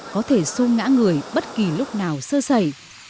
có thể xông ngã người bất kỳ lúc nào sơ sẩy